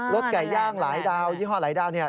สไก่ย่างหลายดาวยี่ห้อหลายดาวเนี่ย